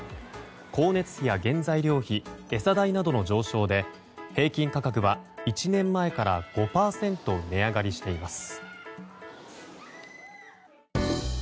光熱費や原材料費餌代などの上昇で平均価格は１年前から５％値上がりしています。